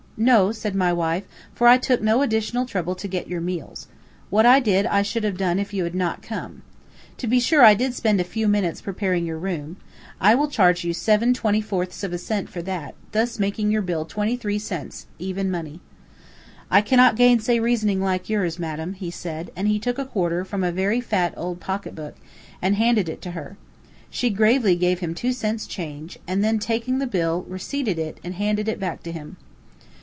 "No," said my wife, "for I took no additional trouble to get your meals. What I did, I should have done if you had not come. To be sure I did spend a few minutes preparing your room. I will charge you seven twenty fourths of a cent for that, thus making your bill twenty three cents even money." "I cannot gainsay reasoning like yours, madam," he said, and he took a quarter from a very fat old pocket book, and handed it to her. She gravely gave him two cents change, and then taking the bill, receipted it, and handed it back to him.